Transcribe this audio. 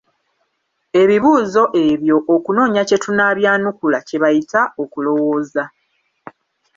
Ebibuzo ebyo okunoonya kye tunaabyanukula, kye bayita okulowooza.